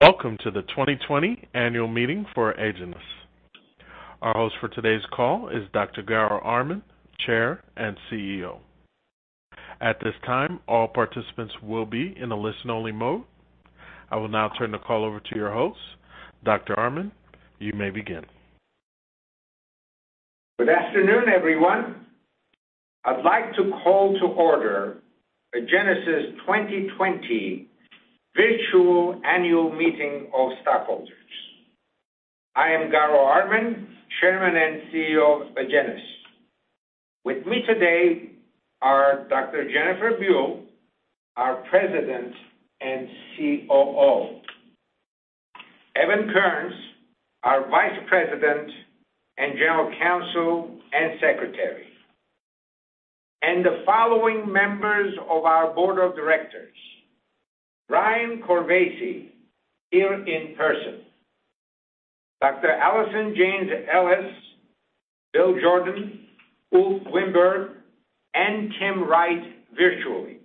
Welcome to the 2020 annual meeting for Agenus. Our host for today's call is Dr. Garo Armen, Chair and CEO. At this time, all participants will be in a listen only mode. I will now turn the call over to your host. Dr. Armen, you may begin. Good afternoon, everyone. I'd like to call to order Agenus' 2020 virtual annual meeting of stockholders. I am Garo Armen, Chairman and CEO of Agenus. With me today are Dr. Jennifer Buell, our President and COO, Evan Kearns, our Vice President and General Counsel and Secretary. The following members of our Board of Directors, Brian Corvese, here in person, Dr. Allison Jeynes-Ellis, Bill Jordan, Ulf Wiinberg, and Tim Wright, virtually.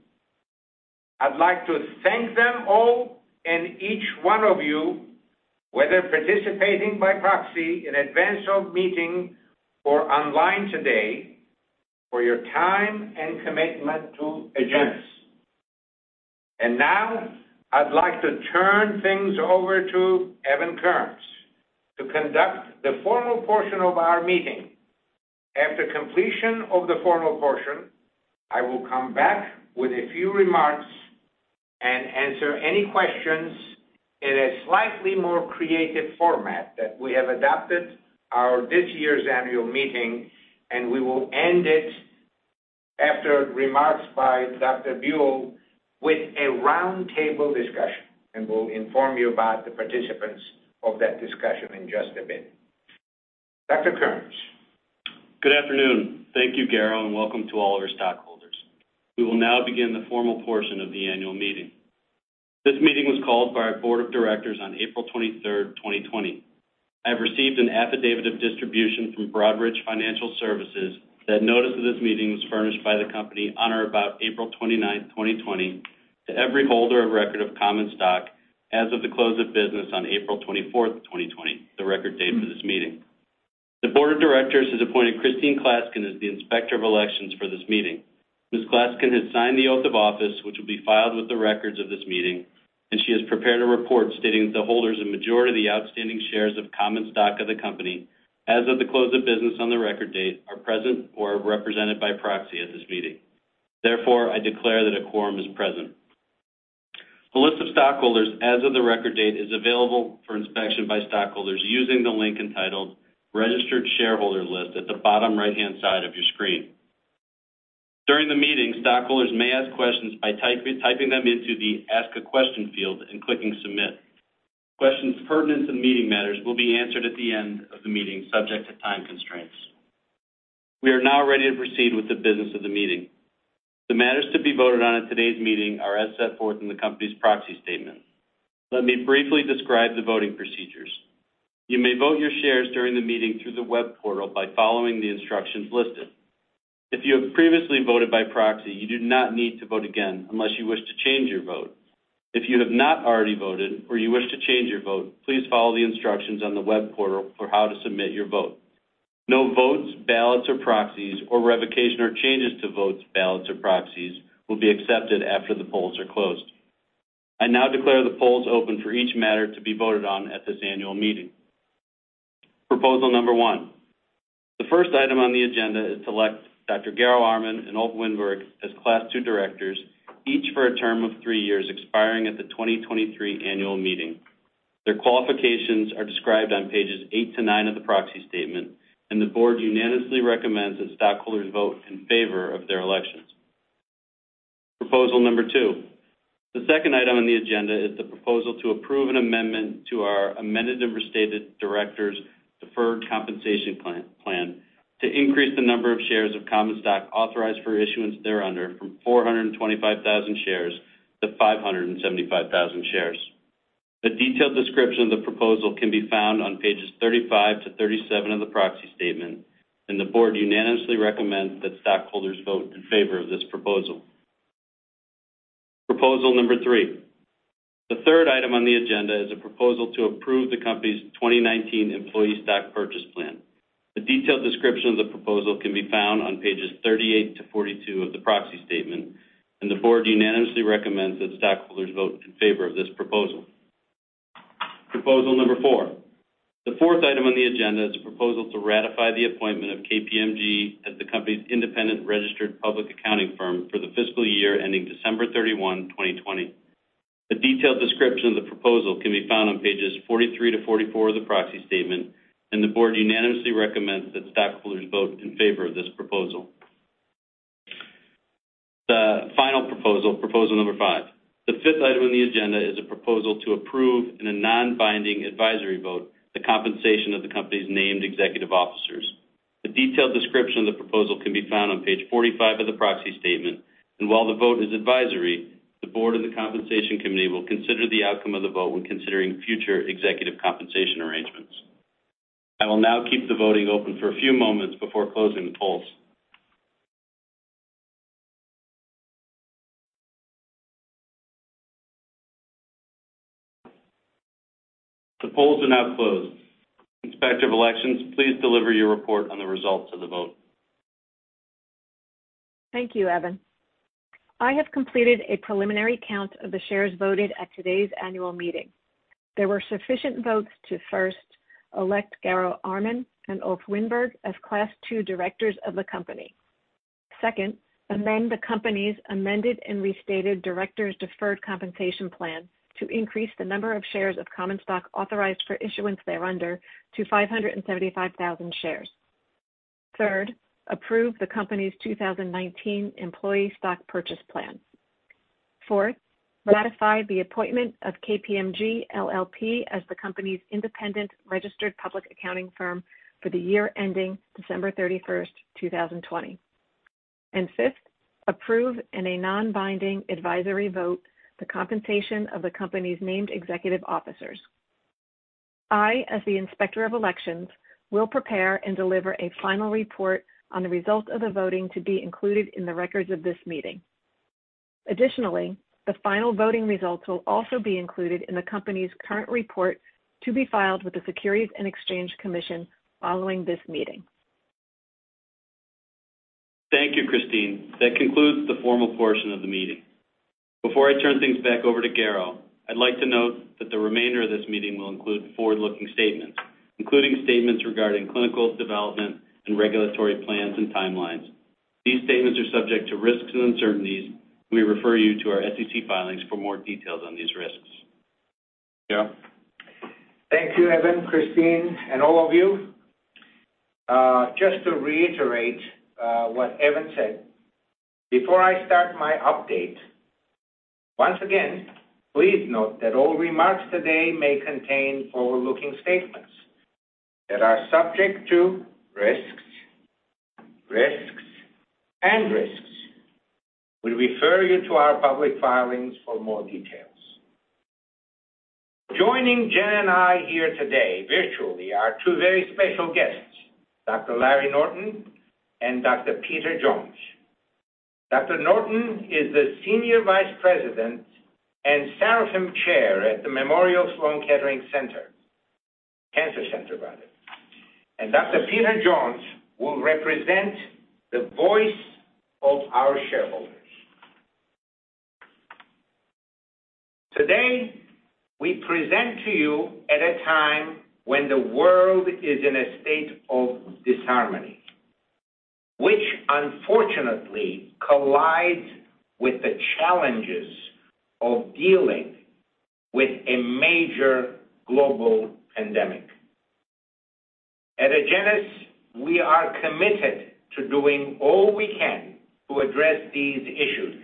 I'd like to thank them all and each one of you, whether participating by proxy in advance of meeting or online today, for your time and commitment to Agenus. Now I'd like to turn things over to Evan Kearns to conduct the formal portion of our meeting. After completion of the formal portion, I will come back with a few remarks and answer any questions in a slightly more creative format that we have adapted our this year's annual meeting. We will end it after remarks by Dr. Buell with a roundtable discussion. We'll inform you about the participants of that discussion in just a bit. Kearns. Good afternoon. Thank you, Garo, and welcome to all of our stockholders. We will now begin the formal portion of the annual meeting. This meeting was called by our board of directors on April 23rd, 2020. I have received an affidavit of distribution from Broadridge Financial Solutions that notice of this meeting was furnished by the company on or about April 29th, 2020 to every holder of record of common stock as of the close of business on April 24th, 2020, the record date for this meeting. The board of directors has appointed Christine Klaskin as the Inspector of Elections for this meeting. Ms. Klaskin has signed the oath of office, which will be filed with the records of this meeting, and she has prepared a report stating that the holders of majority of the outstanding shares of common stock of the company, as of the close of business on the record date, are present or represented by proxy at this meeting. Therefore, I declare that a quorum is present. The list of stockholders as of the record date is available for inspection by stockholders using the link entitled Registered Shareholder List at the bottom right-hand side of your screen. During the meeting, stockholders may ask questions by typing them into the Ask a Question field and clicking Submit. Questions pertinent to the meeting matters will be answered at the end of the meeting subject to time constraints. We are now ready to proceed with the business of the meeting. The matters to be voted on at today's meeting are as set forth in the company's proxy statement. Let me briefly describe the voting procedures. You may vote your shares during the meeting through the web portal by following the instructions listed. If you have previously voted by proxy, you do not need to vote again unless you wish to change your vote. If you have not already voted or you wish to change your vote, please follow the instructions on the web portal for how to submit your vote. No votes, ballots, or proxies or revocation or changes to votes, ballots, or proxies will be accepted after the polls are closed. I now declare the polls open for each matter to be voted on at this annual meeting. Proposal number one. The first item on the agenda is to elect Dr. Garo Armen and Ulf Wiinberg as Class II directors, each for a term of three years, expiring at the 2023 annual meeting. Their qualifications are described on pages eight to nine of the proxy statement. The board unanimously recommends that stockholders vote in favor of their elections. Proposal number two. The second item on the agenda is the proposal to approve an amendment to our amended and restated directors' deferred compensation plan to increase the number of shares of common stock authorized for issuance thereunder from 425,000 shares to 575,000 shares. A detailed description of the proposal can be found on pages 35 to 37 of the proxy statement. The board unanimously recommends that stockholders vote in favor of this proposal. Proposal number three. The third item on the agenda is a proposal to approve the company's 2019 employee stock purchase plan. A detailed description of the proposal can be found on pages 38 to 42 of the proxy statement, and the board unanimously recommends that stockholders vote in favor of this proposal. Proposal number four. The fourth item on the agenda is a proposal to ratify the appointment of KPMG as the company's independent registered public accounting firm for the fiscal year ending December 31, 2020. A detailed description of the proposal can be found on pages 43 to 44 of the proxy statement, and the board unanimously recommends that stockholders vote in favor of this proposal. The final proposal number five. The fifth item on the agenda is a proposal to approve in a non-binding advisory vote the compensation of the company's named executive officers. A detailed description of the proposal can be found on page 45 of the proxy statement. While the vote is advisory, the board and the compensation committee will consider the outcome of the vote when considering future executive compensation arrangements. I will now keep the voting open for a few moments before closing the polls. The polls are now closed. Inspector of Elections, please deliver your report on the results of the vote. Thank you, Evan. I have completed a preliminary count of the shares voted at today's annual meeting. There were sufficient votes to, first, elect Garo Armen and Ulf Wiinberg as Class II directors of the company. Second, amend the company's amended and restated directors' deferred compensation plan to increase the number of shares of common stock authorized for issuance thereunder to 575,000 shares. Third, approve the company's 2019 employee stock purchase plan. Fourth, ratify the appointment of KPMG LLP as the company's independent registered public accounting firm for the year ending December 31st, 2020. Fifth, approve in a non-binding advisory vote the compensation of the company's named executive officers. I, as the Inspector of Elections, will prepare and deliver a final report on the results of the voting to be included in the records of this meeting. Additionally, the final voting results will also be included in the company's current report to be filed with the Securities and Exchange Commission following this meeting. Thank you, Christine. That concludes the formal portion of the meeting. Before I turn things back over to Garo, I'd like to note that the remainder of this meeting will include forward-looking statements, including statements regarding clinical development and regulatory plans and timelines. These statements are subject to risks and uncertainties. We refer you to our SEC filings for more details on these risks. Garo? Thank you, Evan, Christine, and all of you. Just to reiterate what Evan said, before I start my update, once again, please note that all remarks today may contain forward-looking statements that are subject to risks, and risks. We refer you to our public filings for more details. Joining Jen and I here today virtually are two very special guests, Dr. Larry Norton and Dr. Peter Jones. Dr. Norton is the Senior Vice President and Sarofim Chair at the Memorial Sloan Kettering Cancer Center. Dr. Peter Jones will represent the voice of our shareholders. Today, we present to you at a time when the world is in a state of disharmony, which unfortunately collides with the challenges of dealing with a major global pandemic. At Agenus, we are committed to doing all we can to address these issues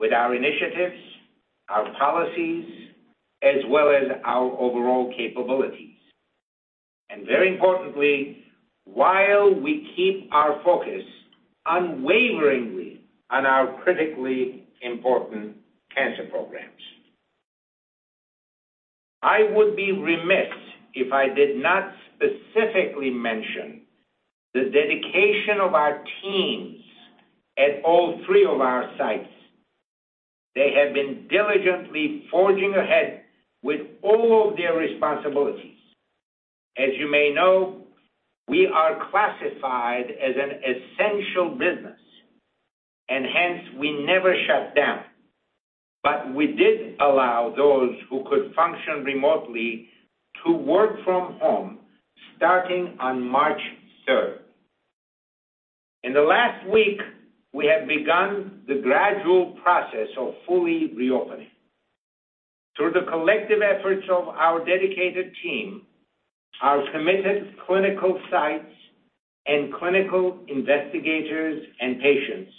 with our initiatives, our policies, as well as our overall capabilities, and very importantly, while we keep our focus unwaveringly on our critically important cancer programs. I would be remiss if I did not specifically mention the dedication of our teams at all three of our sites. They have been diligently forging ahead with all of their responsibilities. As you may know, we are classified as an essential business, and hence, we never shut down. We did allow those who could function remotely to work from home starting on March 3rd. In the last week, we have begun the gradual process of fully reopening. Through the collective efforts of our dedicated team, our committed clinical sites, and clinical investigators and patients,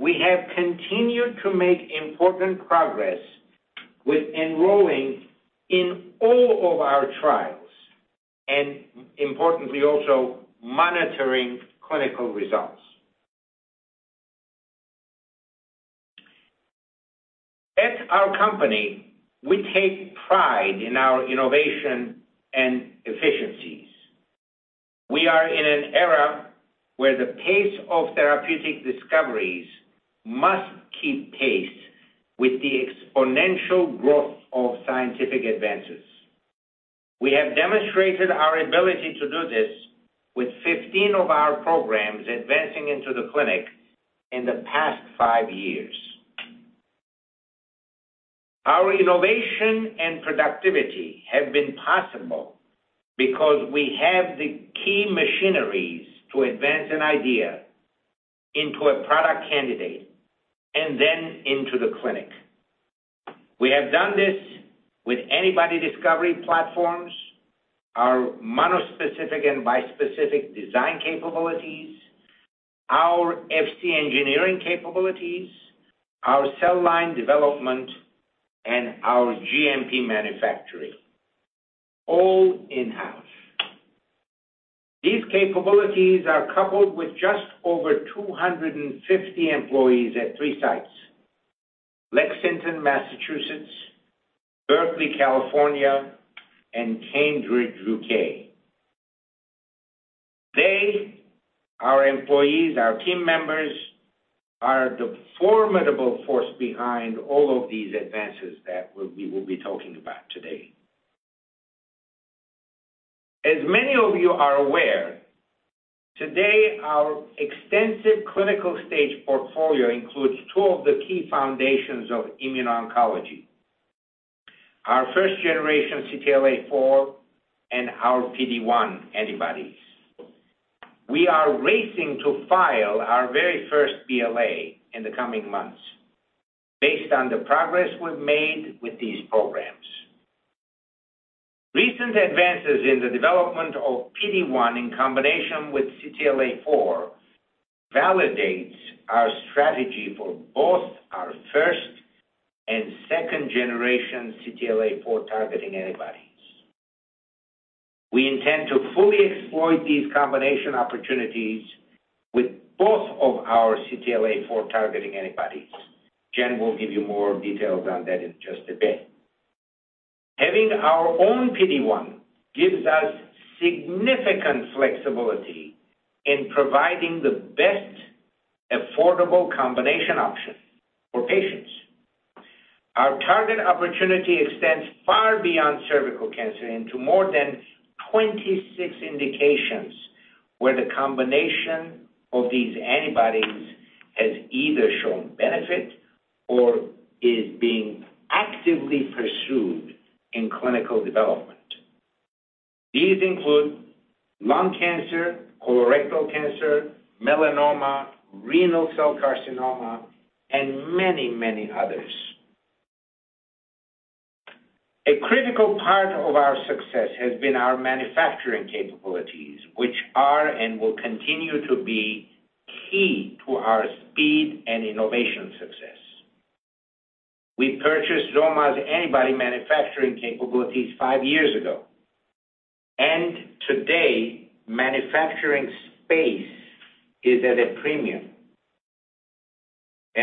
we have continued to make important progress with enrolling in all of our trials, and importantly also monitoring clinical results. At our company, we take pride in our innovation and efficiencies. We are in an era where the pace of therapeutic discoveries must keep pace with the exponential growth of scientific advances. We have demonstrated our ability to do this with 15 of our programs advancing into the clinic in the past five years. Our innovation and productivity have been possible because we have the key machineries to advance an idea into a product candidate and then into the clinic. We have done this with antibody discovery platforms, our monospecific and bispecific design capabilities, our Fc engineering capabilities, our cell line development, and our GMP manufacturing, all in-house. These capabilities are coupled with just over 250 employees at three sites: Lexington, Massachusetts, Berkeley, California, and Cambridge, U.K. They, our employees, our team members, are the formidable force behind all of these advances that we will be talking about today. As many of you are aware, today our extensive clinical stage portfolio includes two of the key foundations of immuno-oncology, our first generation CTLA-4 and our PD-1 antibodies. We are racing to file our very first BLA in the coming months based on the progress we've made with these programs. Recent advances in the development of PD-1 in combination with CTLA-4 validates our strategy for both our first and second generation CTLA-4 targeting antibodies. We intend to fully exploit these combination opportunities with both of our CTLA-4 targeting antibodies. Jen will give you more details on that in just a bit. Having our own PD-1 gives us significant flexibility in providing the best affordable combination option for patients. Our target opportunity extends far beyond cervical cancer into more than 26 indications, where the combination of these antibodies has either shown benefit or is being actively pursued in clinical development. These include lung cancer, colorectal cancer, melanoma, renal cell carcinoma, and many others. A critical part of our success has been our manufacturing capabilities, which are and will continue to be key to our speed and innovation success. We purchased XOMA's antibody manufacturing capabilities five years ago, and today manufacturing space is at a premium.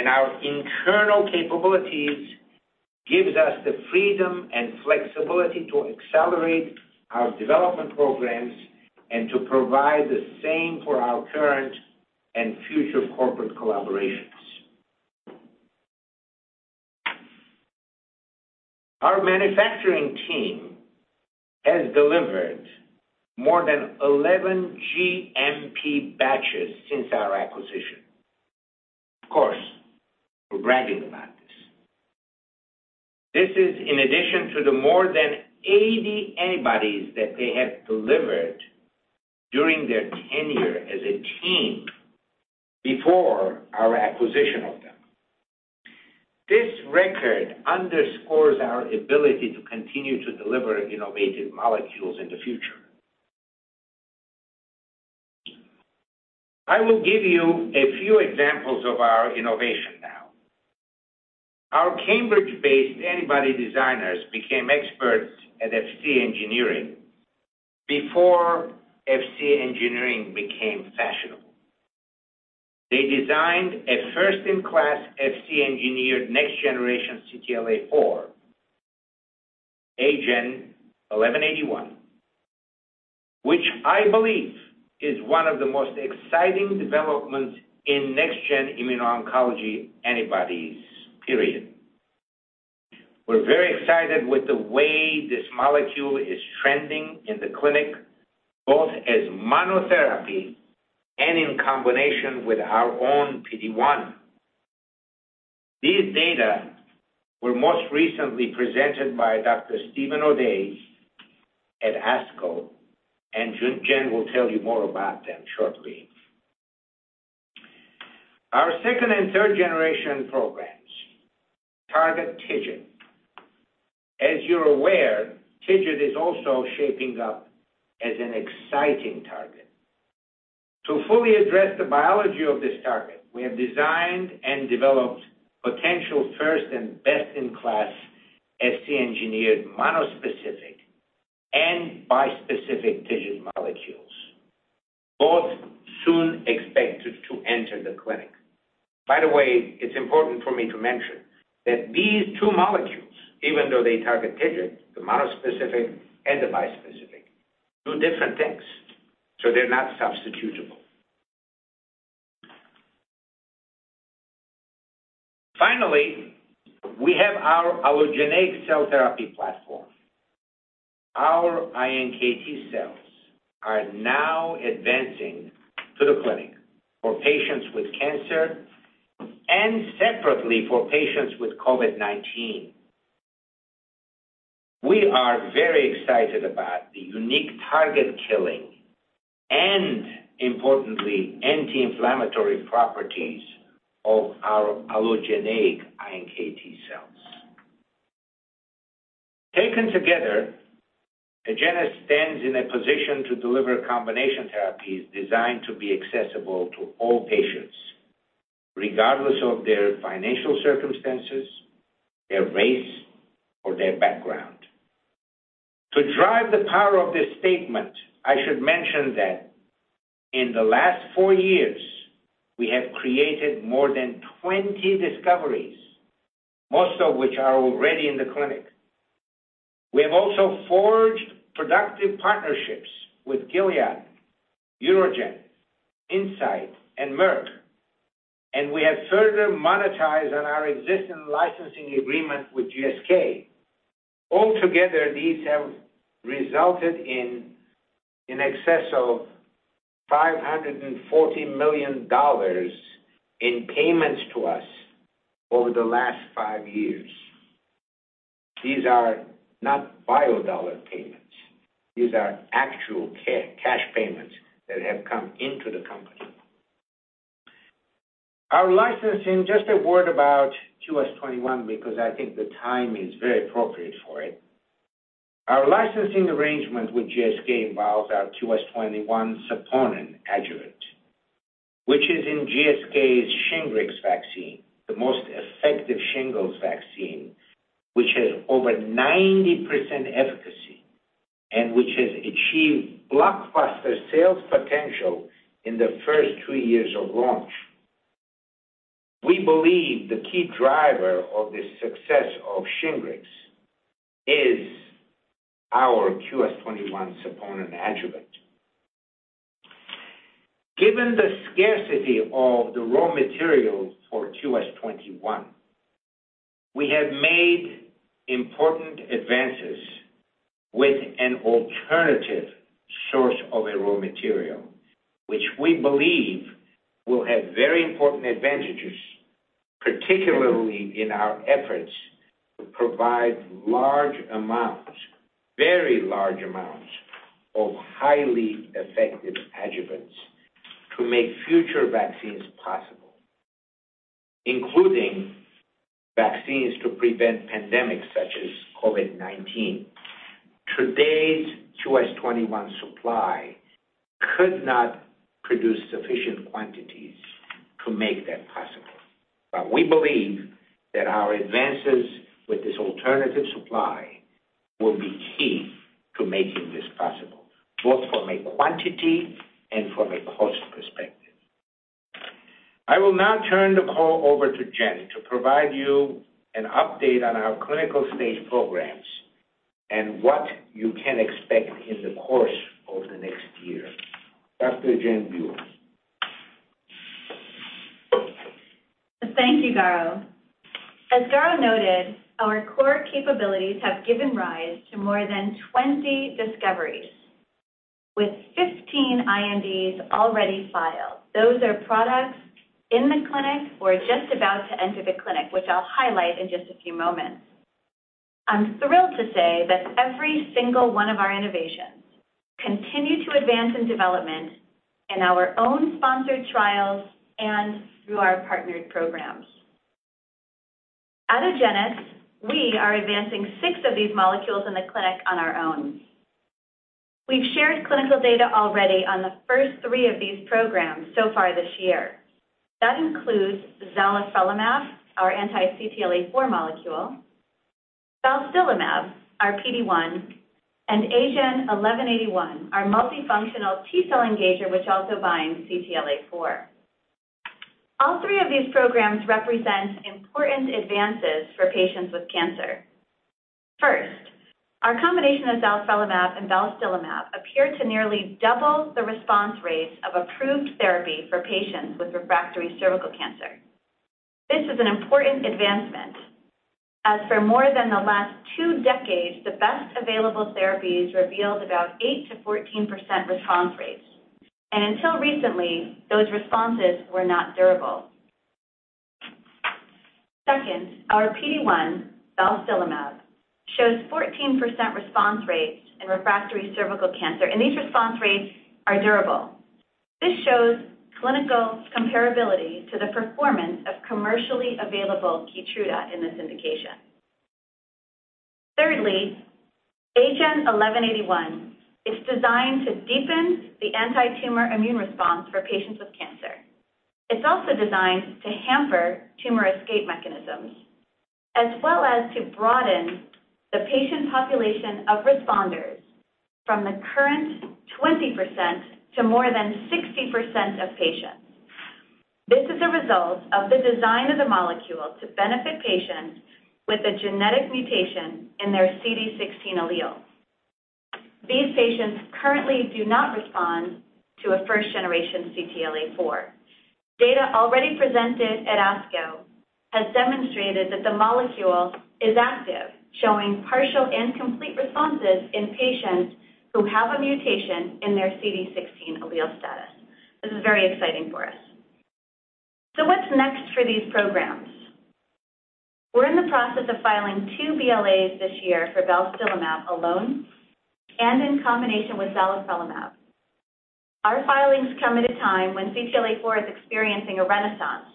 Our internal capabilities gives us the freedom and flexibility to accelerate our development programs and to provide the same for our current and future corporate collaborations. Our manufacturing team has delivered more than 11 GMP batches since our acquisition. Of course, we're bragging about this. This is in addition to the more than 80 antibodies that they have delivered during their tenure as a team before our acquisition of them. This record underscores our ability to continue to deliver innovative molecules in the future. I will give you a few examples of our innovation now. Our Cambridge-based antibody designers became experts at Fc engineering before Fc engineering became fashionable. They designed a first-in-class Fc-engineered next-generation CTLA-4, AGEN1181, which I believe is one of the most exciting developments in next-gen immuno-oncology antibodies, period. We're very excited with the way this molecule is trending in the clinic, both as monotherapy and in combination with our own PD-1. These data were most recently presented by Dr. Steven O'Day at ASCO, and Jen will tell you more about them shortly. Our second and third generation programs target TIGIT. As you're aware, TIGIT is also shaping up as an exciting target. To fully address the biology of this target, we have designed and developed potential first and best-in-class Fc-engineered monospecific and bispecific TIGIT molecules, both soon expected to enter the clinic. By the way, it's important for me to mention that these two molecules, even though they target TIGIT, the monospecific and the bispecific, do different things, so they're not substitutable. We have our allogeneic cell therapy platform. Our iNKT cells are now advancing to the clinic for patients with cancer and separately for patients with COVID-19. We are very excited about the unique target killing and importantly, anti-inflammatory properties of our allogeneic iNKT cells. Taken together, Agenus stands in a position to deliver combination therapies designed to be accessible to all patients, regardless of their financial circumstances, their race, or their background. To drive the power of this statement, I should mention that in the last four years, we have created more than 20 discoveries, most of which are already in the clinic. We have also forged productive partnerships with Gilead, UroGen, Incyte, and Merck, and we have further monetized on our existing licensing agreement with GSK. Altogether, these have resulted in excess of $540 million in payments to us over the last five years. These are not bio dollar payments. These are actual cash payments that have come into the company. Our licensing, just a word about QS-21 because I think the time is very appropriate for it. Our licensing arrangement with GSK involves our QS-21 saponin adjuvant, which is in GSK's SHINGRIX vaccine, the most effective shingles vaccine, which has over 90% efficacy and which has achieved blockbuster sales potential in the first two years of launch. We believe the key driver of the success of SHINGRIX is our QS-21 saponin adjuvant. Given the scarcity of the raw materials for QS-21, we have made important advances with an alternative source of a raw material, which we believe will have very important advantages, particularly in our efforts to provide large amounts, very large amounts of highly effective adjuvants to make future vaccines possible, including vaccines to prevent pandemics such as COVID-19. Today's QS-21 supply could not produce sufficient quantities to make that possible. We believe that our advances with this alternative supply will be key to making this possible, both from a quantity and from a cost perspective. I will now turn the call over to Jen to provide you an update on our clinical-stage programs and what you can expect in the course of the next year. Dr. Jen Buell. Thank you, Garo. As Garo noted, our core capabilities have given rise to more than 20 discoveries, with 15 INDs already filed. Those are products in the clinic or just about to enter the clinic, which I'll highlight in just a few moments. I'm thrilled to say that every single one of our innovations continue to advance in development in our own sponsored trials and through our partnered programs. At Agenus, we are advancing six of these molecules in the clinic on our own. We've shared clinical data already on the first three of these programs so far this year. That includes zalifrelimab, our anti-CTLA-4 molecule, balstilimab, our PD-1, and AGEN1181, our multifunctional T-cell engager, which also binds CTLA-4. All three of these programs represent important advances for patients with cancer. First, our combination of zalifrelimab and balstilimab appear to nearly double the response rates of approved therapy for patients with refractory cervical cancer. This is an important advancement, as for more than the last two decades, the best available therapies revealed about eight to 14% response rates. Until recently, those responses were not durable. Second, our PD-1, balstilimab, shows 14% response rates in refractory cervical cancer, and these response rates are durable. This shows clinical comparability to the performance of commercially available KEYTRUDA in this indication. Thirdly, AGEN1181 is designed to deepen the anti-tumor immune response for patients with cancer. It's also designed to hamper tumor escape mechanisms, as well as to broaden the patient population of responders from the current 20% to more than 60% of patients. This is a result of the design of the molecule to benefit patients with a genetic mutation in their CD16 allele. These patients currently do not respond to a first generation CTLA-4. Data already presented at ASCO has demonstrated that the molecule is active, showing partial and complete responses in patients who have a mutation in their CD16 allele status. This is very exciting for us. What's next for these programs? We're in the process of filing two BLAs this year for balstilimab alone and in combination with zalifrelimab. Our filings come at a time when CTLA-4 is experiencing a renaissance.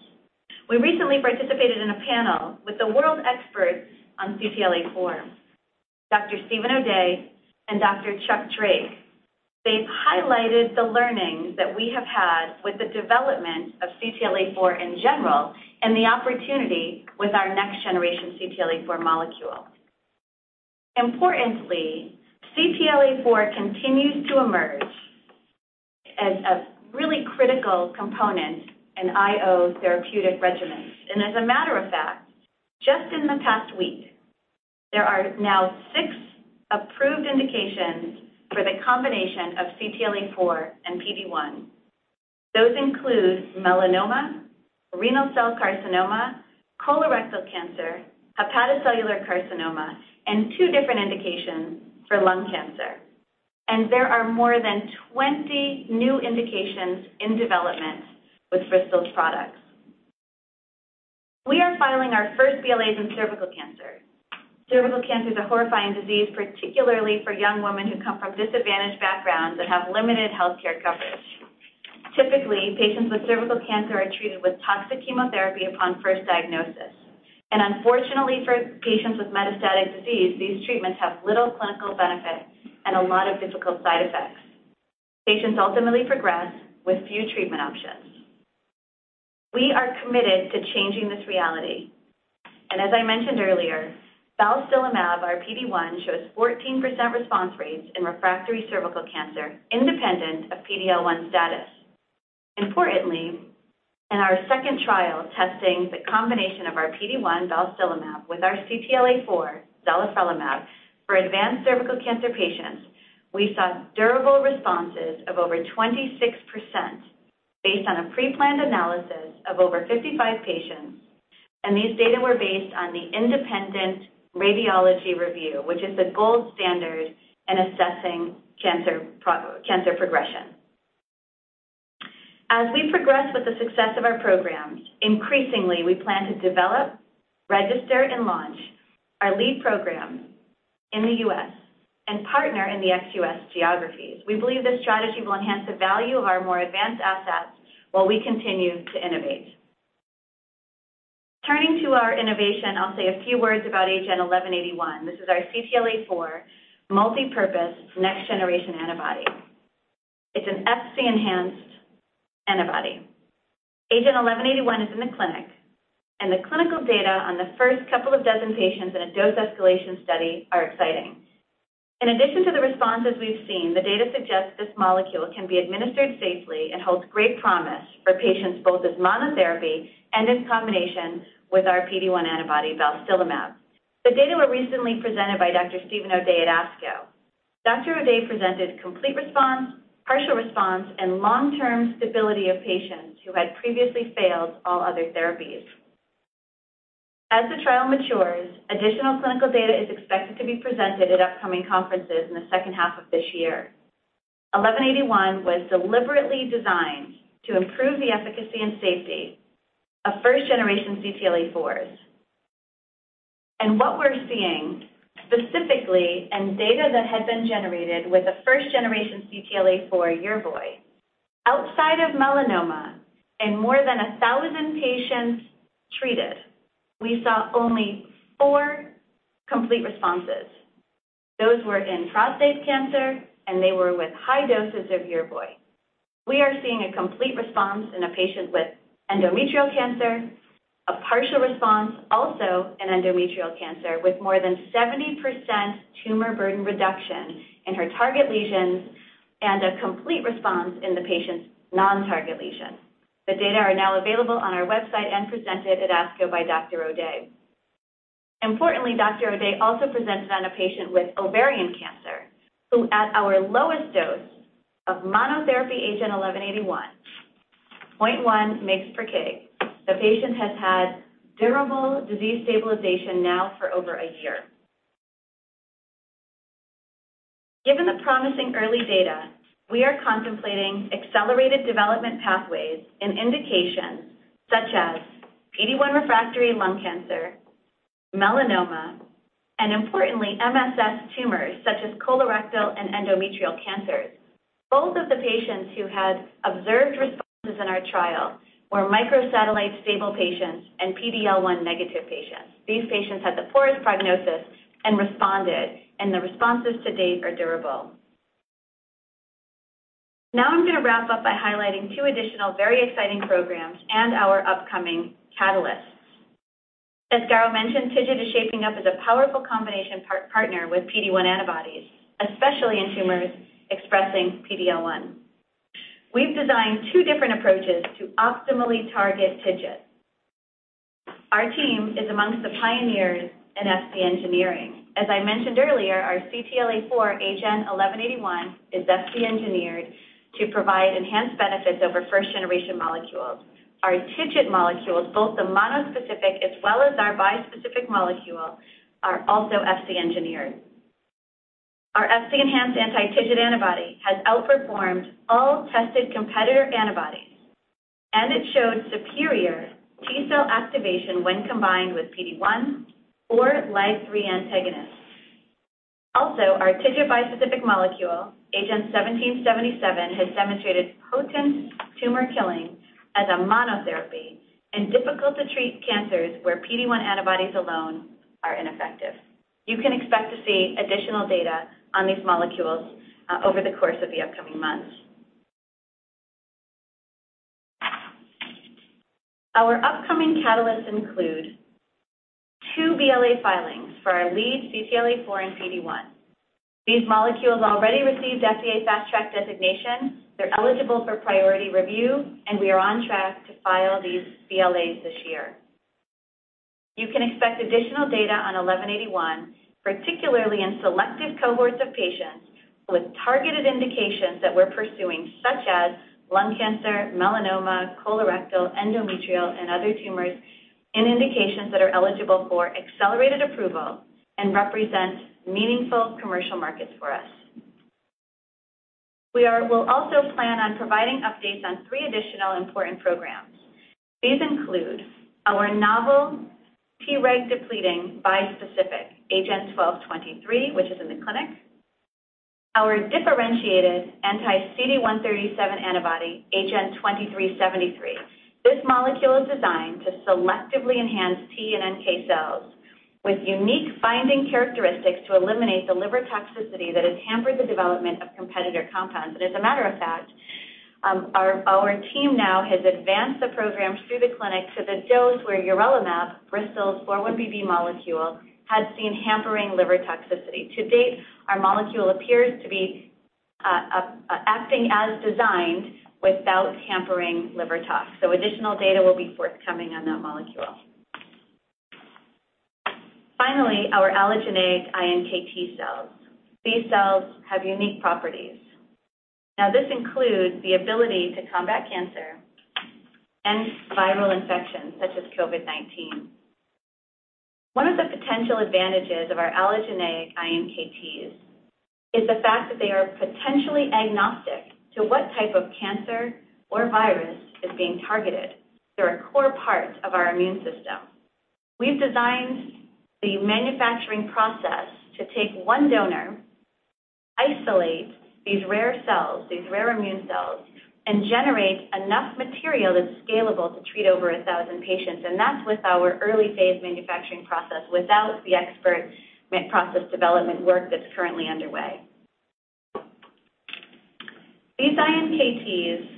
We recently participated in a panel with the world experts on CTLA-4, Dr. Steven O'Day and Dr. Chuck Drake. They've highlighted the learnings that we have had with the development of CTLA-4 in general and the opportunity with our next-generation CTLA-4 molecule. Importantly, CTLA-4 continues to emerge as a really critical component in IO therapeutic regimens. As a matter of fact, just in the past week, there are now six approved indications for the combination of CTLA-4 and PD-1. Those include melanoma, renal cell carcinoma, colorectal cancer, hepatocellular carcinoma, and two different indications for lung cancer. There are more than 20 new indications in development with Bristol's products. We are filing our first BLAs in cervical cancer. Cervical cancer is a horrifying disease, particularly for young women who come from disadvantaged backgrounds and have limited healthcare coverage. Typically, patients with cervical cancer are treated with toxic chemotherapy upon first diagnosis. Unfortunately for patients with metastatic disease, these treatments have little clinical benefit and a lot of difficult side effects. Patients ultimately progress with few treatment options. We are committed to changing this reality. As I mentioned earlier, balstilimab, our PD-1, shows 14% response rates in refractory cervical cancer independent of PD-L1 status. Importantly, in our second trial testing the combination of our PD-1 balstilimab with our CTLA-4, zalifrelimab, for advanced cervical cancer patients, we saw durable responses of over 26% based on a pre-planned analysis of over 55 patients, and these data were based on the independent radiology review, which is the gold standard in assessing cancer progression. As we progress with the success of our programs, increasingly, we plan to develop, register, and launch our lead program in the U.S. and partner in the ex-U.S. geographies. We believe this strategy will enhance the value of our more advanced assets while we continue to innovate. Turning to our innovation, I'll say a few words about AGEN1181. This is our CTLA-4 multipurpose next-generation antibody. It's an Fc-enhanced antibody. AGEN1181 is in the clinic, and the clinical data on the first couple of dozen patients in a dose escalation study are exciting. In addition to the responses we've seen, the data suggests this molecule can be administered safely and holds great promise for patients both as monotherapy and in combination with our PD-1 antibody, balstilimab. The data were recently presented by Dr. Steven O'Day at ASCO. Dr. O'Day presented complete response, partial response, and long-term stability of patients who had previously failed all other therapies. As the trial matures, additional clinical data is expected to be presented at upcoming conferences in the second half of this year. 1181 was deliberately designed to improve the efficacy and safety of first-generation CTLA-4s. What we're seeing specifically in data that had been generated with a first-generation CTLA-4 Yervoy, outside of melanoma in more than 1,000 patients treated, we saw only four complete responses. Those were in prostate cancer, and they were with high doses of Yervoy. We are seeing a complete response in a patient with endometrial cancer, a partial response also in endometrial cancer with more than 70% tumor burden reduction in her target lesions, and a complete response in the patient's non-target lesions. The data are now available on our website and presented at ASCO by Dr. O'Day. Importantly, Dr. O'Day also presented on a patient with ovarian cancer, who at our lowest dose of monotherapy AGEN1181, 0.1 mg per kg, the patient has had durable disease stabilization now for over a year. Given the promising early data, we are contemplating accelerated development pathways in indications such as PD-1 refractory lung cancer, melanoma, and importantly, MSS tumors such as colorectal and endometrial cancers. Both of the patients who had observed responses in our trial were microsatellite stable patients and PD-L1 negative patients. These patients had the poorest prognosis and responded, and the responses to date are durable. I'm going to wrap up by highlighting two additional very exciting programs and our upcoming catalysts. As Garo mentioned, TIGIT is shaping up as a powerful combination partner with PD-1 antibodies, especially in tumors expressing PD-L1. We've designed two different approaches to optimally target TIGIT. Our team is amongst the pioneers in Fc engineering. As I mentioned earlier, our CTLA-4, AGEN1181, is Fc engineered to provide enhanced benefits over first-generation molecules. Our TIGIT molecules, both the monospecific as well as our bispecific molecule, are also Fc engineered. Our Fc enhanced anti-TIGIT antibody has outperformed all tested competitor antibodies, it showed superior T-cell activation when combined with PD-1 or LAG-3 antagonists. Also, our TIGIT bispecific molecule, AGEN1777, has demonstrated potent tumor killing as a monotherapy in difficult-to-treat cancers where PD-1 antibodies alone are ineffective. You can expect to see additional data on these molecules over the course of the upcoming months. Our upcoming catalysts include two BLA filings for our lead CTLA-4 and PD-1. These molecules already received FDA Fast Track designation. They're eligible for priority review. We are on track to file these BLAs this year. You can expect additional data on 1181, particularly in selective cohorts of patients with targeted indications that we're pursuing, such as lung cancer, melanoma, colorectal, endometrial, and other tumors, in indications that are eligible for accelerated approval and represent meaningful commercial markets for us. We'll also plan on providing updates on three additional important programs. These include our novel Treg-depleting bispecific AGEN1223, which is in the clinic. Our differentiated anti-CD137 antibody, AGEN2373. This molecule is designed to selectively enhance T and NK cells with unique binding characteristics to eliminate the liver toxicity that has hampered the development of competitor compounds. As a matter of fact, our team now has advanced the program through the clinic to the dose where urelumab, Bristol's 4-1BB molecule, had seen hampering liver toxicity. To date, our molecule appears to be acting as designed without hampering liver tox, so additional data will be forthcoming on that molecule. Finally, our allogeneic iNKT cells. These cells have unique properties. Now, this includes the ability to combat cancer and viral infections such as COVID-19. One of the potential advantages of our allogeneic iNKTs is the fact that they are potentially agnostic to what type of cancer or virus is being targeted. They're a core part of our immune system. We've designed the manufacturing process to take one donor, isolate these rare immune cells, and generate enough material that's scalable to treat over 1,000 patients. That's with our early-phase manufacturing process, without the expert process development work that's currently underway. These iNKTs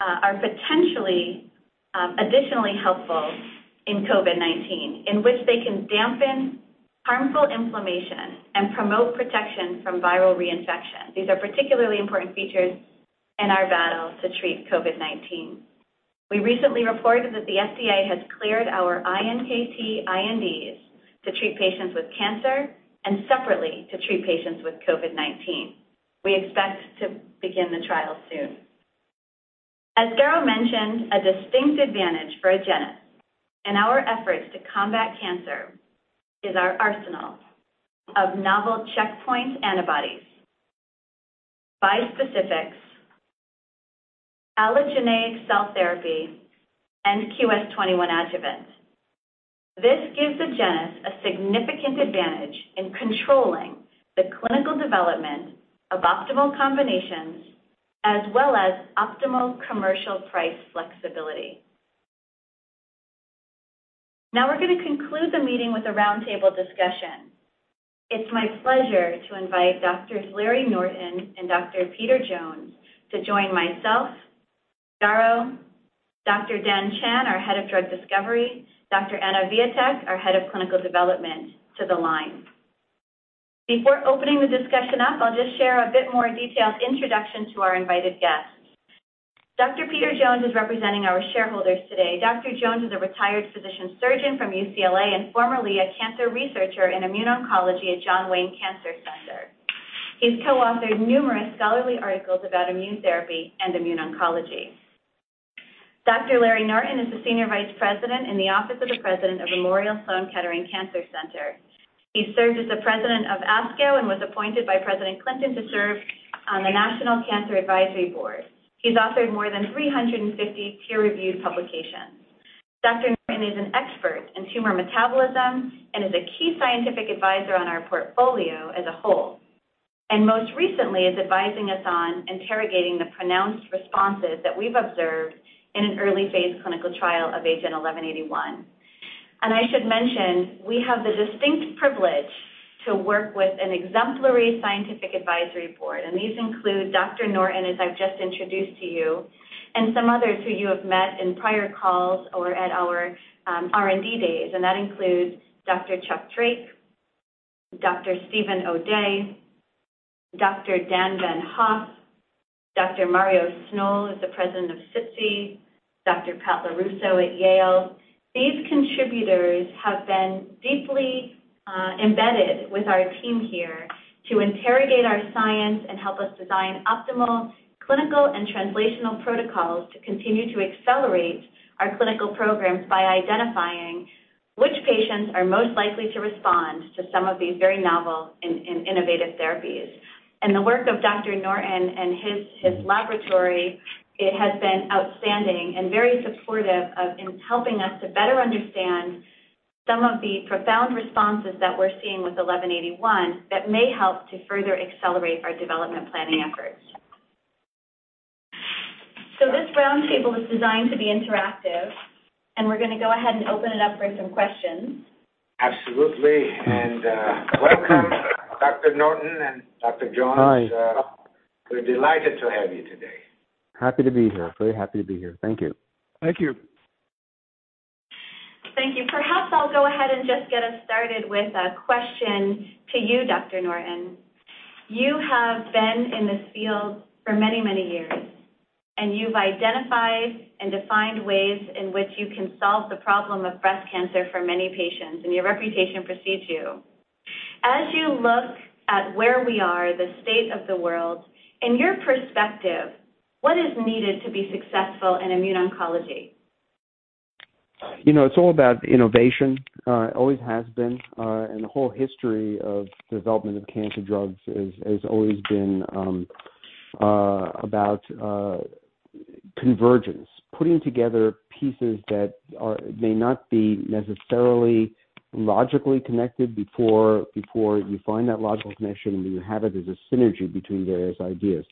are potentially additionally helpful in COVID-19, in which they can dampen harmful inflammation and promote protection from viral reinfection. These are particularly important features in our battle to treat COVID-19. We recently reported that the FDA has cleared our iNKT INDs to treat patients with cancer and separately to treat patients with COVID-19. We expect to begin the trial soon. As Garo mentioned, a distinct advantage for Agenus in our efforts to combat cancer is our arsenal of novel checkpoint antibodies, bispecifics, allogeneic cell therapy, and QS-21 adjuvant. This gives Agenus a significant advantage in controlling the clinical development of optimal combinations as well as optimal commercial price flexibility. We're going to conclude the meeting with a roundtable discussion. It's my pleasure to invite Dr. Larry Norton and Dr. Peter Jones to join myself, Garo, Dr. Dhan Chand, our Head of Drug Discovery, Dr. Anna Wijatyk, our Head of Clinical Development, to the line. Before opening the discussion up, I'll just share a bit more detailed introduction to our invited guests. Dr. Peter Jones is representing our shareholders today. Dr. Jones is a retired physician-surgeon from UCLA and formerly a cancer researcher in immune oncology at John Wayne Cancer Institute. He's co-authored numerous scholarly articles about immune therapy and immune oncology. Dr. Larry Norton is the Senior Vice President in the Office of the President of Memorial Sloan Kettering Cancer Center. He served as the president of ASCO and was appointed by President Clinton to serve on the National Cancer Advisory Board. He's authored more than 350 peer-reviewed publications. Dr. Norton is an expert in tumor metabolism and is a key scientific advisor on our portfolio as a whole, and most recently is advising us on interrogating the pronounced responses that we've observed in an early-phase clinical trial of AGEN1181. I should mention, we have the distinct privilege to work with an exemplary scientific advisory board, and these include Dr. Norton, as I've just introduced to you, and some others who you have met in prior calls or at our R&D days. That includes Dr. Chuck Drake, Dr. Steven O'Day, Dr. Daniel Von Hoff, Dr. Mario Sznol is the president of SITC, Dr. Paola Russo at Yale. These contributors have been deeply embedded with our team here to interrogate our science and help us design optimal clinical and translational protocols to continue to accelerate our clinical programs by identifying which patients are most likely to respond to some of these very novel and innovative therapies. The work of Dr. Norton and his laboratory has been outstanding and very supportive in helping us to better understand some of the profound responses that we're seeing with AGEN1181 that may help to further accelerate our development planning efforts. This roundtable is designed to be interactive, and we're going to go ahead and open it up for some questions. Absolutely. Welcome, Dr. Norton and Dr. Jones. Hi. We're delighted to have you today. Happy to be here. Very happy to be here. Thank you. Thank you. Thank you. Perhaps I'll go ahead and just get us started with a question to you, Dr. Norton. You have been in this field for many years, and you've identified and defined ways in which you can solve the problem of breast cancer for many patients, and your reputation precedes you. As you look at where we are, the state of the world, in your perspective, what is needed to be successful in immuno-oncology? It's all about innovation. It always has been. The whole history of development of cancer drugs has always been about convergence, putting together pieces that may not be necessarily logically connected before you find that logical connection, and you have it as a synergy between various ideas.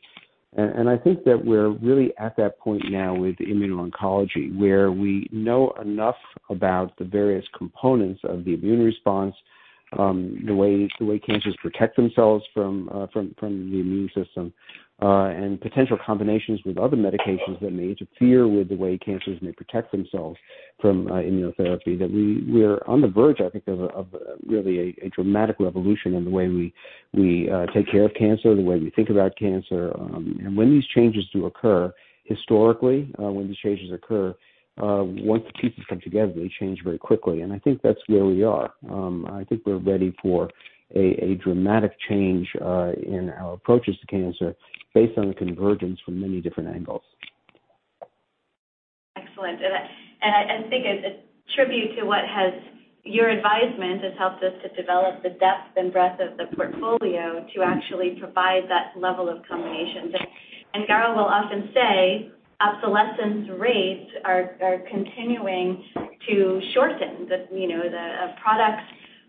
I think that we're really at that point now with immuno-oncology, where we know enough about the various components of the immune response, the way cancers protect themselves from the immune system, and potential combinations with other medications that may interfere with the way cancers may protect themselves from immunotherapy. That we're on the verge, I think, of really a dramatic revolution in the way we take care of cancer, the way we think about cancer. When these changes do occur, historically, when these changes occur, once the pieces come together, they change very quickly, and I think that's where we are. I think we're ready for a dramatic change in our approaches to cancer based on the convergence from many different angles. Excellent. I think a tribute to what your advisement has helped us to develop the depth and breadth of the portfolio to actually provide that level of combinations. Garo will often say obsolescence rates are continuing to shorten. The products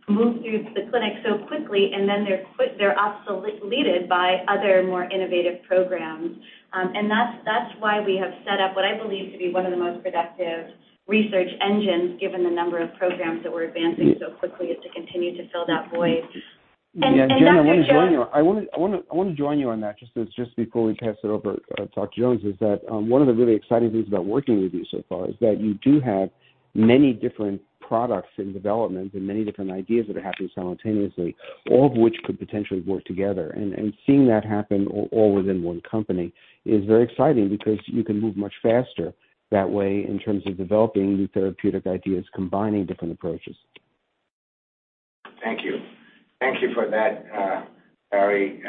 move through the clinic so quickly, and then they're obsoleted by other, more innovative programs. That's why we have set up what I believe to be one of the most productive research engines, given the number of programs that we're advancing so quickly is to continue to fill that void. Dr. Jones. Jen, I want to join you on that just before we pass it over to Dr. Jones is that one of the really exciting things about working with you so far is that you do have many different products in development and many different ideas that are happening simultaneously, all of which could potentially work together. Seeing that happen all within one company is very exciting because you can move much faster that way in terms of developing new therapeutic ideas, combining different approaches. Thank you. Thank you for that, Larry.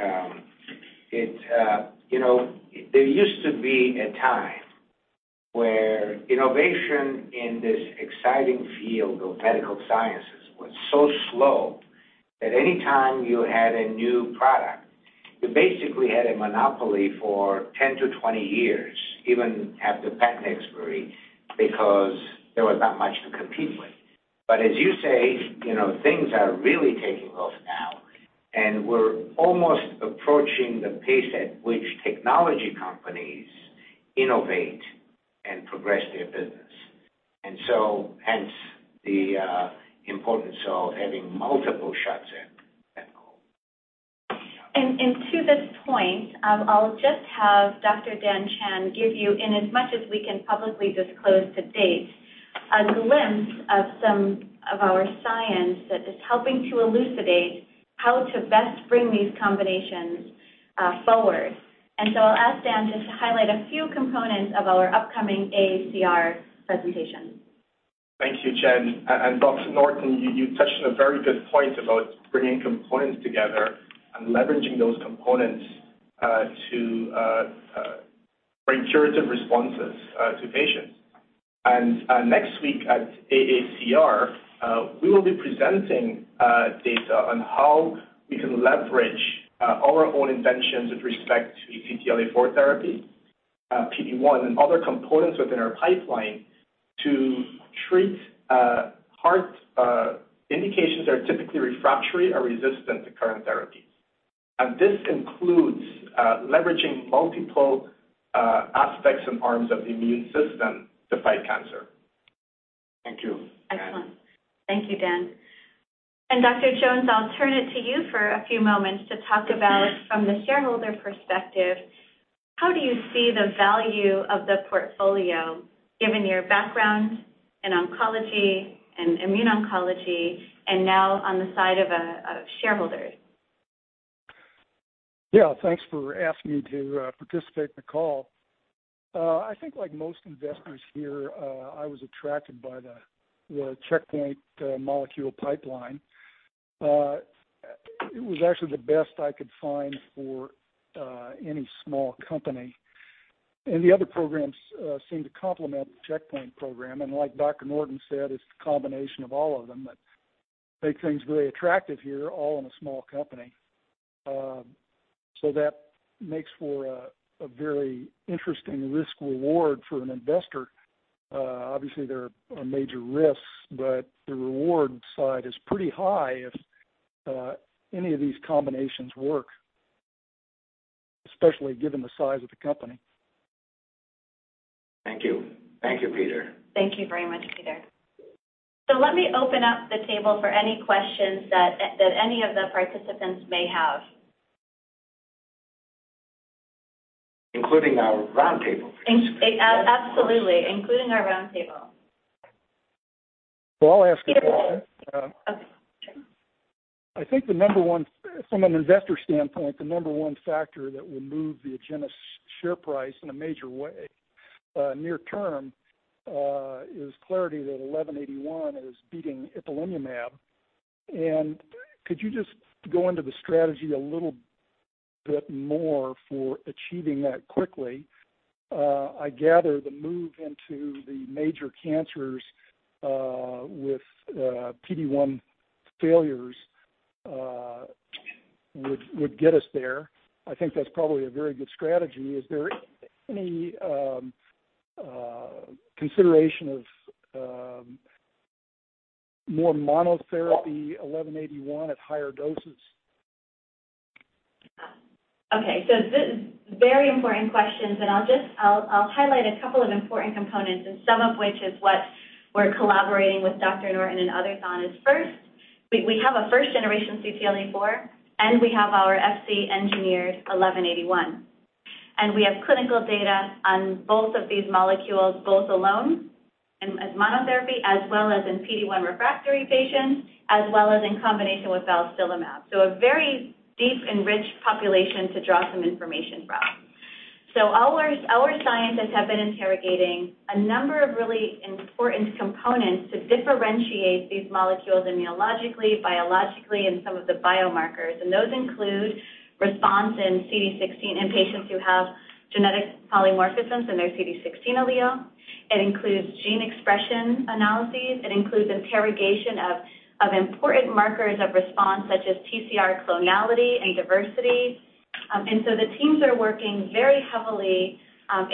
There used to be a time where innovation in this exciting field of medical sciences was so slow that any time you had a new product, you basically had a monopoly for 10-20 years, even at the patent expiry, because there was not much to compete with. As you say, things are really taking off now, and we're almost approaching the pace at which technology companies innovate and progress their business, and so hence the importance of having multiple shots in at goal. To this point, I'll just have Dr. Dhan Chand give you, in as much as we can publicly disclose to date, a glimpse of some of our science that is helping to elucidate how to best bring these combinations forward. I'll ask Dhan just to highlight a few components of our upcoming AACR presentation. Thank you, Jen. Dr. Norton, you touched on a very good point about bringing components together and leveraging those components to bring curative responses to patients. Next week at AACR, we will be presenting data on how we can leverage our own inventions with respect to CTLA-4 therapy, PD-1, and other components within our pipeline to treat hard indications that are typically refractory or resistant to current therapies. This includes leveraging multiple aspects and arms of the immune system to fight cancer. Thank you. Excellent. Thank you, Dhan. Dr. Jones, I'll turn it to you for a few moments to talk about from the shareholder perspective, how do you see the value of the portfolio, given your background in oncology and immuno-oncology and now on the side of a shareholder? Yeah, thanks for asking me to participate in the call. I think like most investors here, I was attracted by the checkpoint molecule pipeline. It was actually the best I could find for any small company, and the other programs seem to complement the checkpoint program. Like Dr. Norton said, it's the combination of all of them that make things really attractive here, all in a small company. That makes for a very interesting risk-reward for an investor. Obviously, there are major risks, but the reward side is pretty high if any of these combinations work, especially given the size of the company. Thank you. Thank you, Peter. Thank you very much, Peter. Let me open up the table for any questions that any of the participants may have. Including our roundtable participants. Absolutely, including our roundtable. I'll ask a question. Okay, sure. I think from an investor standpoint, the number one factor that will move the Agenus share price in a major way near term is clarity that 1181 is beating ipilimumab. Could you just go into the strategy a little bit more for achieving that quickly? I gather the move into the major cancers, with PD-1 failures would get us there. I think that's probably a very good strategy. Is there any consideration of more monotherapy 1181 at higher doses? Okay, very important questions, and I'll highlight a couple of important components and some of which is what we're collaborating with Dr. Norton and others on is first. We have a first-generation CTLA-4, and we have our Fc-Engineered AGEN1181. We have clinical data on both of these molecules, both alone and as monotherapy, as well as in PD-1 refractory patients, as well as in combination with balstilimab. A very deep and rich population to draw some information from. Our scientists have been interrogating a number of really important components to differentiate these molecules immunologically, biologically, and some of the biomarkers. Those include response in CD16 in patients who have genetic polymorphisms in their CD16 allele. It includes gene expression analyses. It includes interrogation of important markers of response, such as TCR clonality and diversity. The teams are working very heavily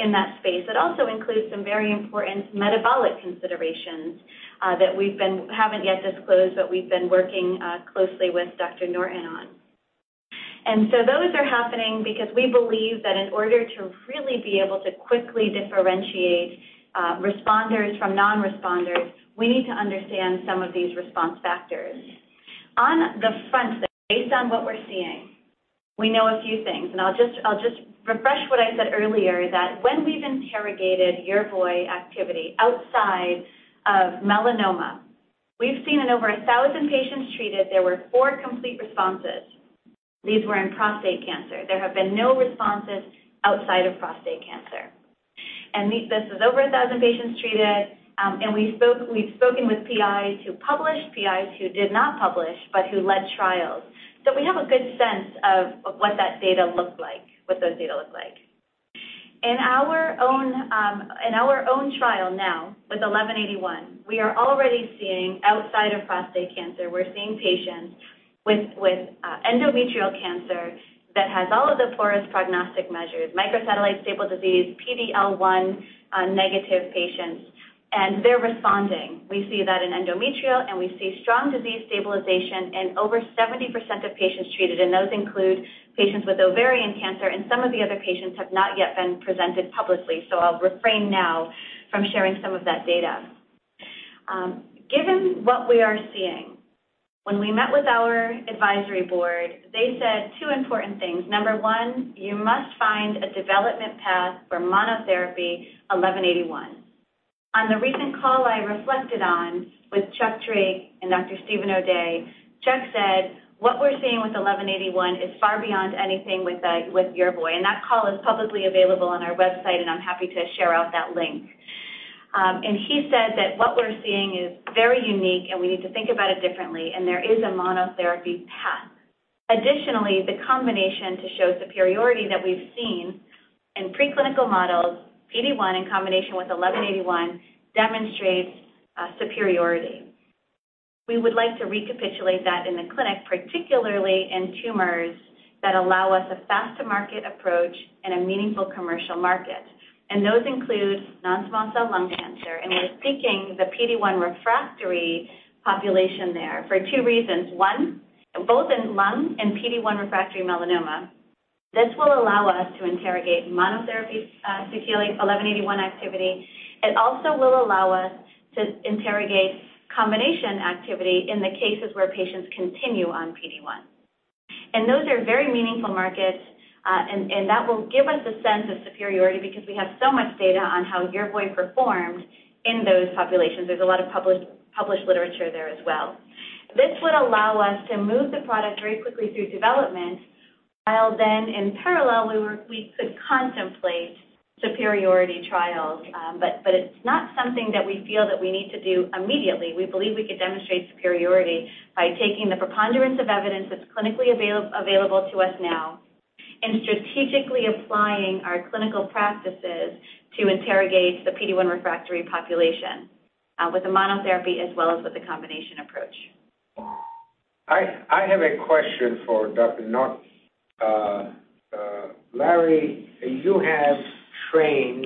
in that space. It also includes some very important metabolic considerations that we haven't yet disclosed, but we've been working closely with Dr. Norton on. Those are happening because we believe that in order to really be able to quickly differentiate responders from non-responders, we need to understand some of these response factors. On the front, based on what we're seeing, we know a few things, and I'll just refresh what I said earlier that when we've interrogated Yervoy activity outside of melanoma, we've seen in over 1,000 patients treated, there were four complete responses. These were in prostate cancer. There have been no responses outside of prostate cancer. This is over 1,000 patients treated, and we've spoken with PIs who published, PIs who did not publish, but who led trials. We have a good sense of what that data looked like, what those data look like. In our own trial now with 1181, we are already seeing outside of prostate cancer, we're seeing patients with endometrial cancer that has all of the poorest prognostic measures, microsatellite stable disease, PD-L1 negative patients. They're responding. We see that in endometrial. We see strong disease stabilization in over 70% of patients treated. Those include patients with ovarian cancer. Some of the other patients have not yet been presented publicly, I'll refrain now from sharing some of that data. Given what we are seeing, when we met with our advisory board, they said two important things. Number one, you must find a development path for monotherapy 1181. On the recent call I reflected on with Chuck Drake and Dr. Steven O'Day, Chuck said, "What we're seeing with 1181 is far beyond anything with Yervoy" and that call is publicly available on our website, and I'm happy to share out that link. He said that what we're seeing is very unique, and we need to think about it differently, and there is a monotherapy path. Additionally, the combination to show superiority that we've seen in preclinical models, PD-1 in combination with 1181 demonstrates superiority. We would like to recapitulate that in the clinic, particularly in tumors that allow us a faster market approach and a meaningful commercial market. Those include non-small cell lung cancer, and we're seeking the PD-1 refractory population there for two reasons. One, both in lung and PD-1 refractory melanoma, this will allow us to interrogate monotherapy 1181 activity. It also will allow us to interrogate combination activity in the cases where patients continue on PD-1. Those are very meaningful markets, and that will give us a sense of superiority because we have so much data on how Yervoy performed in those populations. There's a lot of published literature there as well. This would allow us to move the product very quickly through development, while then in parallel, we could contemplate superiority trials. It's not something that we feel that we need to do immediately. We believe we could demonstrate superiority by taking the preponderance of evidence that's clinically available to us now and strategically applying our clinical practices to interrogate the PD-1 refractory population, with the monotherapy as well as with the combination approach. I have a question for Dr. Norton. Larry, you have trained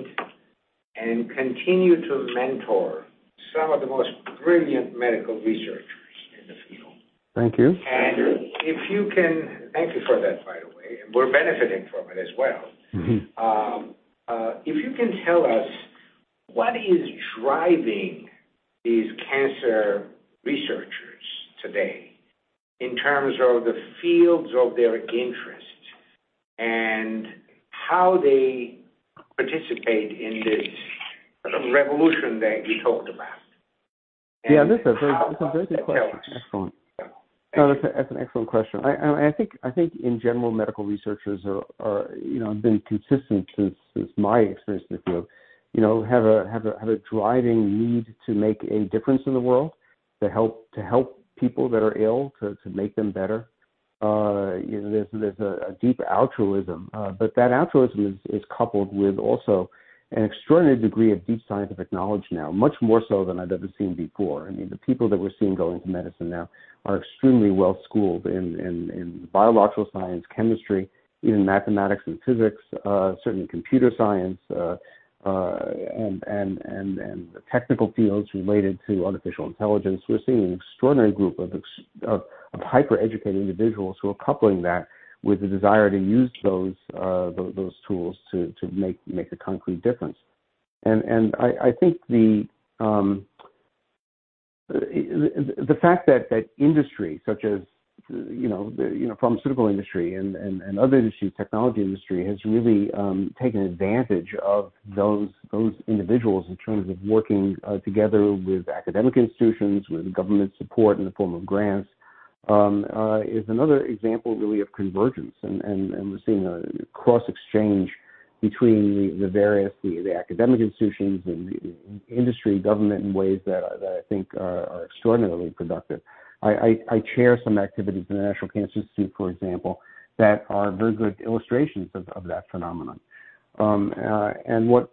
and continue to mentor some of the most brilliant medical researchers. Thank you. Thank you for that, by the way. We're benefiting from it as well. If you can tell us what is driving these cancer researchers today in terms of the fields of their interest, and how they participate in this sort of revolution that you talked about? Yeah, that's a very good question. Excellent. That's an excellent question. I think in general, medical researchers have been consistent since my experience in the field, have a driving need to make a difference in the world, to help people that are ill, to make them better. There's a deep altruism, but that altruism is coupled with also an extraordinary degree of deep scientific knowledge now, much more so than I'd ever seen before. The people that we're seeing go into medicine now are extremely well-schooled in biological science, chemistry, even mathematics and physics, certainly computer science, and the technical fields related to artificial intelligence. We're seeing an extraordinary group of hyper-educated individuals who are coupling that with the desire to use those tools to make a concrete difference. I think the fact that industry such as the pharmaceutical industry and other issues, technology industry, has really taken advantage of those individuals in terms of working together with academic institutions, with government support in the form of grants, is another example, really, of convergence. We are seeing a cross-exchange between the various academic institutions and industry government in ways that I think are extraordinarily productive. I chair some activities in the National Cancer Institute, for example, that are very good illustrations of that phenomenon. The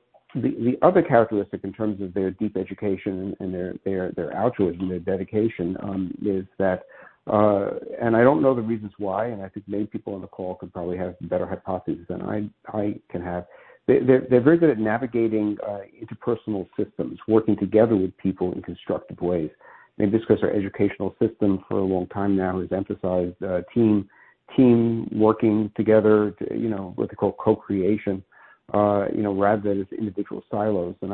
other characteristic in terms of their deep education and their altruism, their dedication, is that, and I don't know the reasons why, and I think many people on the call could probably have some better hypotheses than I can have. They're very good at navigating interpersonal systems, working together with people in constructive ways. Maybe it's because our educational system for a long time now has emphasized team working together, what they call co-creation, rather than as individual silos. That's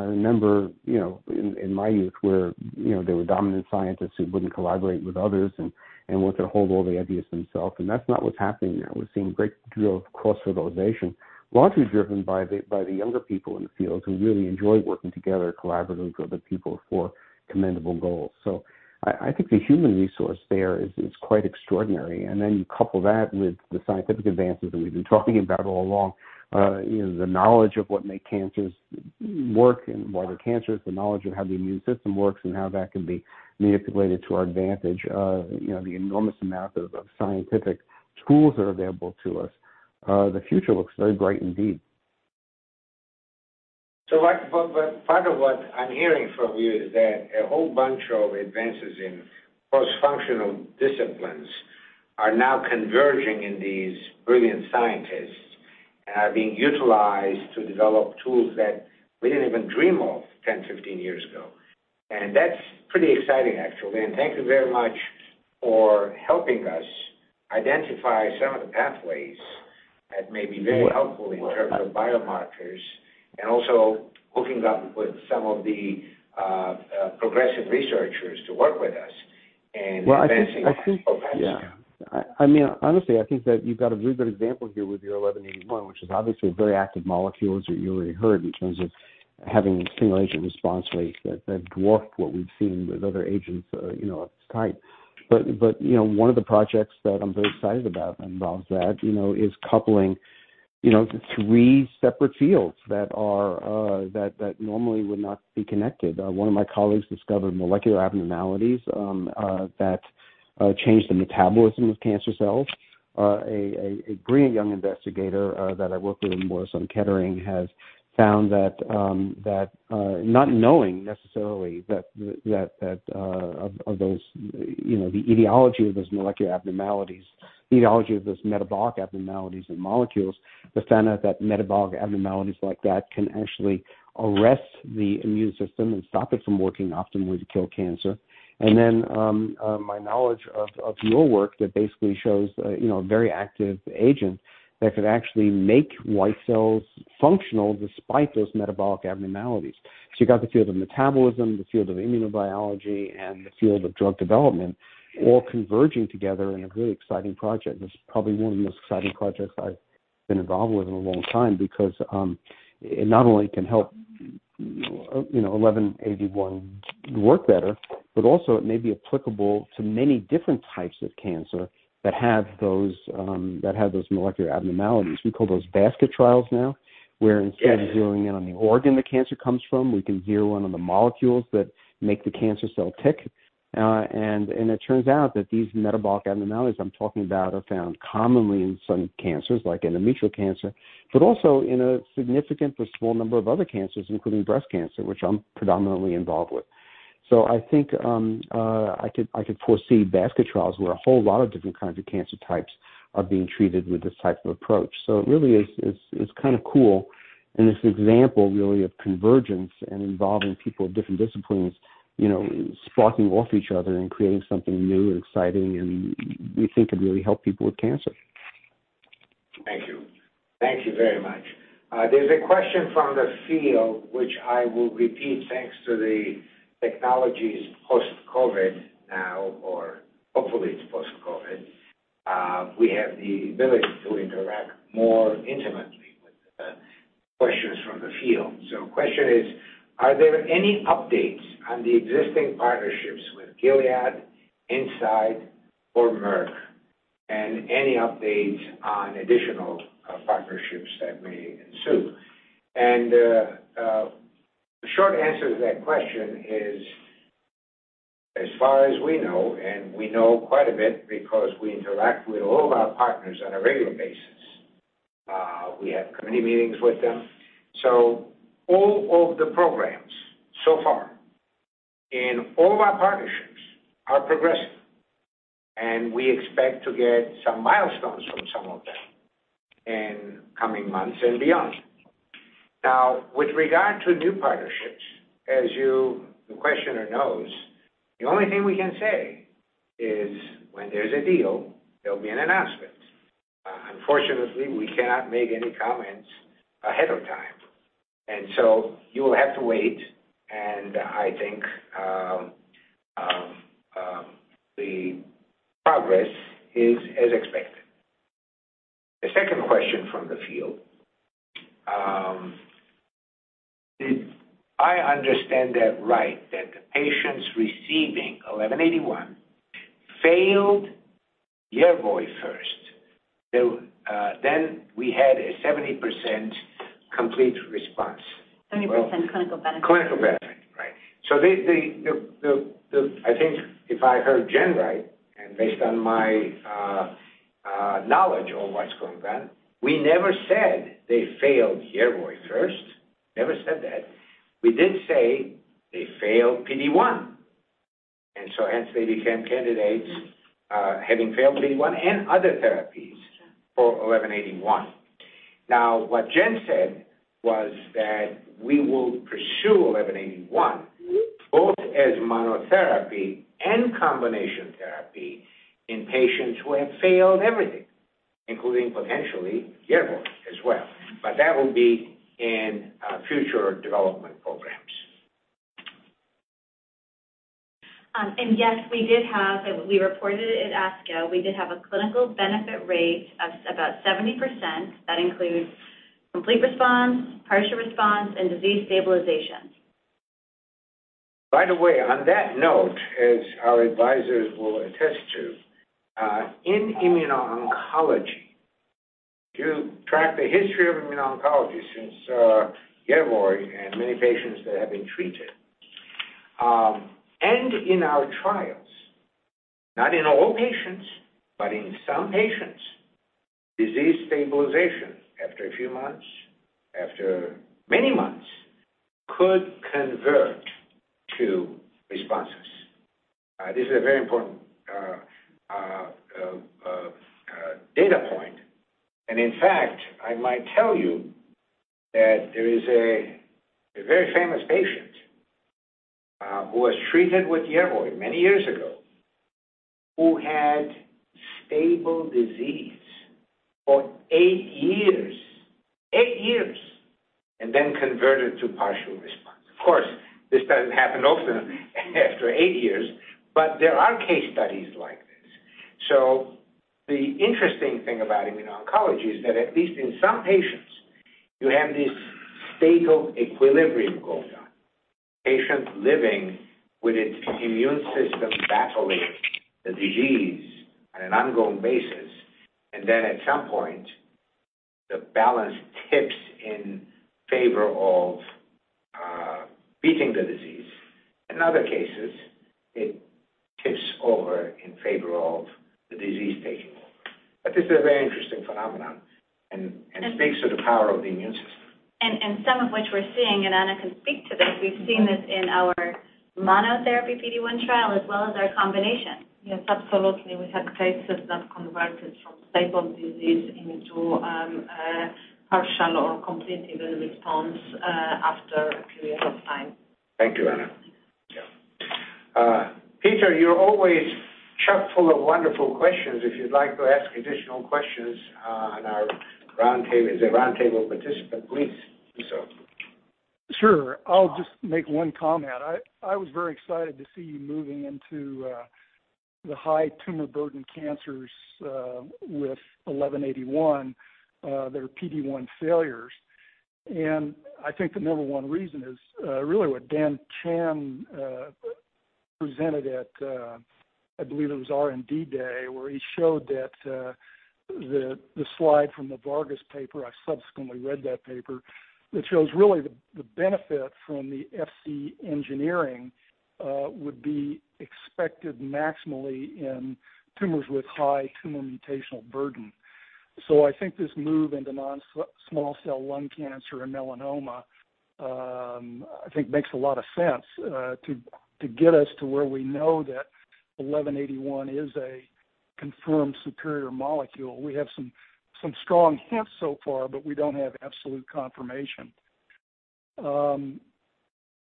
not what's happening now. We're seeing a great deal of cross-fertilization, largely driven by the younger people in the field who really enjoy working together collaboratively with other people for commendable goals. I think the human resource there is quite extraordinary. You couple that with the scientific advances that we've been talking about all along, the knowledge of what make cancers work and why they're cancerous, the knowledge of how the immune system works and how that can be manipulated to our advantage, the enormous amount of scientific tools that are available to us. The future looks very bright indeed. Part of what I'm hearing from you is that a whole bunch of advances in cross-functional disciplines are now converging in these brilliant scientists and are being utilized to develop tools that we didn't even dream of 10, 15 years ago. That's pretty exciting, actually. Thank you very much for helping us identify some of the pathways that may be very helpful in terms of biomarkers and also hooking up with some of the progressive researchers to work with us in advancing. Well, Yeah. Honestly, I think that you've got a really good example here with your 1181, which is obviously a very active molecule, as you already heard, in terms of having stimulation response rates that dwarf what we've seen with other agents of its type. One of the projects that I'm very excited about and involves that is coupling three separate fields that normally would not be connected. One of my colleagues discovered molecular abnormalities that change the metabolism of cancer cells. A brilliant young investigator that I work with in Memorial Sloan Kettering has found that, not knowing necessarily the etiology of those molecular abnormalities, etiology of those metabolic abnormalities and molecules, but found out that metabolic abnormalities like that can actually arrest the immune system and stop it from working optimally to kill cancer. My knowledge of your work that basically shows a very active agent that could actually make white cells functional despite those metabolic abnormalities. You've got the field of metabolism, the field of immunobiology, and the field of drug development all converging together in a very exciting project. This is probably one of the most exciting projects I've been involved with in a long time because it not only can help 1181 work better, but also it may be applicable to many different types of cancer that have those molecular abnormalities. We call those basket trials now, where instead of zeroing in on the organ the cancer comes from, we can zero in on the molecules that make the cancer cell tick. It turns out that these metabolic abnormalities I'm talking about are found commonly in some cancers, like endometrial cancer, but also in a significant but small number of other cancers, including breast cancer, which I'm predominantly involved with. I think I could foresee basket trials where a whole lot of different kinds of cancer types are being treated with this type of approach. It really is kind of cool. This example really of convergence and involving people of different disciplines, sparking off each other and creating something new and exciting, and we think could really help people with cancer. Thank you. Thank you very much. There's a question from the field which I will repeat thanks to the technologies post-COVID now, or hopefully it's post-COVID. We have the ability to interact more intimately with the questions from the field. The question is, are there any updates on the existing partnerships with Gilead, Incyte, or Merck? Any updates on additional partnerships that may ensue? The short answer to that question is, as far as we know, and we know quite a bit because we interact with all of our partners on a regular basis. We have committee meetings with them. All of the programs so far in all of our partnerships are progressing, and we expect to get some milestones from some of them in coming months and beyond. Now, with regard to new partnerships, as the questioner knows, the only thing we can say is when there's a deal, there'll be an announcement. Unfortunately, we cannot make any comments ahead of time. You will have to wait, and I think the progress is as expected. The second question from the field. Did I understand that right? That the patients receiving 1181 failed Yervoy first, then we had a 70% complete response. 70% clinical benefit. I think if I heard Jen right, and based on my knowledge of what's going on, we never said they failed Yervoy first. Never said that. We did say they failed PD-1, and so hence they became candidates having failed PD-1 and other therapies. That's right. For 1181. Now, what Jen said was that we will pursue 1181. both as monotherapy and combination therapy in patients who have failed everything, including potentially Yervoy as well. That will be in future development programs. Yes, we reported it at ASCO, we did have a clinical benefit rate of about 70%. That includes complete response, partial response, and disease stabilization. By the way, on that note, as our advisors will attest to, in immuno-oncology, if you track the history of immuno-oncology since Yervoy and many patients that have been treated. In our trials, not in all patients, but in some patients, disease stabilization after a few months, after many months, could convert to responses. This is a very important data point. In fact, I might tell you that there is a very famous patient who was treated with Yervoy many years ago who had stable disease for eight years. Eight years. Then converted to partial response. Of course, this doesn't happen often after eight years, but there are case studies like this. The interesting thing about immuno-oncology is that at least in some patients, you have this stable equilibrium going on. Patients living with its immune system battling the disease on an ongoing basis, and then at some point, the balance tips in favor of beating the disease. In other cases, it tips over in favor of the disease taking over. This is a very interesting phenomenon and speaks to the power of the immune system. Some of which we're seeing, and Anna can speak to this, we've seen this in our monotherapy PD-1 trial as well as our combination. Yes, absolutely. We have cases that converted from stable disease into partial or complete even response after a period of time. Thank you, Anna. Peter, you're always chock-full of wonderful questions. If you'd like to ask additional questions on our roundtable, as a roundtable participant, please do so. Sure. I'll just make one comment. I was very excited to see you moving into the high tumor burden cancers with 1181, their PD-1 failures. I think the number one reason is really what Dhan Chand presented at, I believe it was R&D Day, where he showed the slide from the Vargas paper, I subsequently read that paper, that shows really the benefit from the Fc engineering would be expected maximally in tumors with high tumor mutational burden. I think this move into non-small cell lung cancer and melanoma I think makes a lot of sense to get us to where we know that 1181 is a confirmed superior molecule. We have some strong hints so far, but we don't have absolute confirmation.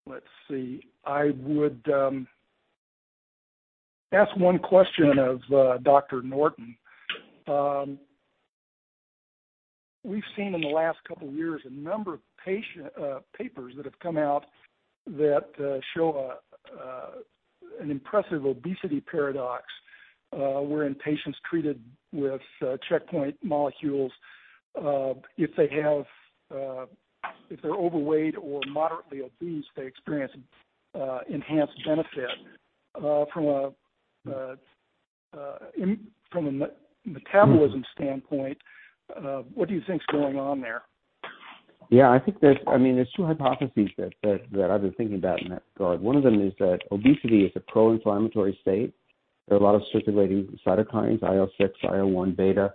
Let's see. I would ask one question of Dr. Norton. We've seen in the last couple of years a number of papers that have come out that show an impressive obesity paradox, wherein patients treated with checkpoint molecules if they're overweight or moderately obese, they experience enhanced benefit. From a metabolism standpoint, what do you think is going on there? Yeah, there's two hypotheses that I've been thinking about in that regard. One of them is that obesity is a pro-inflammatory state. There are a lot of circulating cytokines, IL-6, IL-1β,